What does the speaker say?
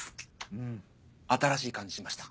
うん新しい感じしました。